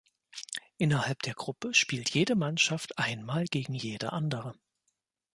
Innerhalb der Gruppe spielt jede Mannschaft einmal gegen jede andere.